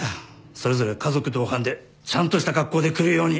それぞれ家族同伴でちゃんとした格好で来るように。